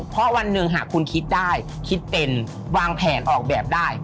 เพราะวันหนึ่งหากคุณคิดได้คิดเป็นวางแผนออกแบบได้